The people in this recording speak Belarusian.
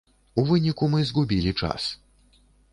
У выніку мы згубілі час.